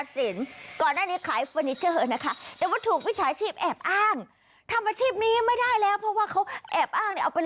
สุดยอดมากเลยค่ะ